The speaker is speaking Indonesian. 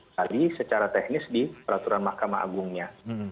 tadi secara teknis di peraturan mahkamah agungnya